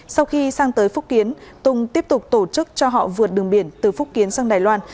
sau khi sang tới phúc kiến tùng tiếp tục tổ chức cho họ vượt đường biển từ phúc kiến sang đài loan